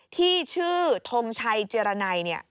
ที่ชื่อธมชัยเจรนัยนี่